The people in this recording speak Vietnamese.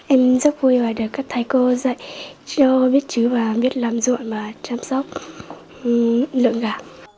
em rất vui và được các thầy cô dạy cho biết chứ và biết làm ruộng và chăm sóc lượng cả